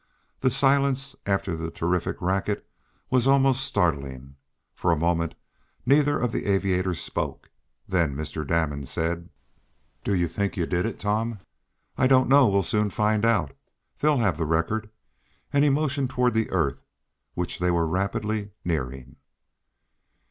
The silence after the terrific racket was almost startling. For a moment neither of the aviators spoke. Then Mr. Damon said: "Do you think you did it, Tom?" "I don't know. We'll soon find out. They'll have the record." And he motioned toward the earth, which they were rapidly nearing.